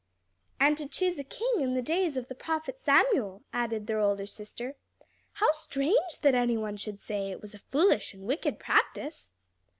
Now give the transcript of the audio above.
"And to choose a king in the days of the prophet Samuel," added their older sister. "How strange that any one should say it was a foolish and wicked practice!"